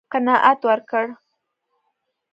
قناعت ورکړ.